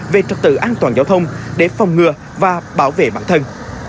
về trật tự an toàn giao thông để phòng ngừa và bảo vệ bản thân